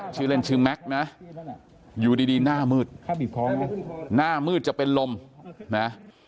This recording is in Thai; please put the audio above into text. ชื่อเล่นชื่อแม็กซ์นะอยู่ดีหน้ามืดหน้ามืดจะเป็นลมนะ